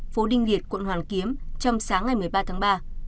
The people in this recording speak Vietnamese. phố đinh nhiệt quận hoàn kiếm trong sáng ngày một mươi ba tháng ba